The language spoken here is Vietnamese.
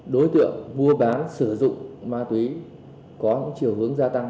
đối tượng mua bán sử dụng ma túy có những chiều hướng gia tăng